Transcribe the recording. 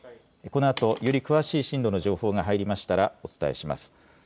このあとより詳しい震度の情報が入りましたらお伝えします。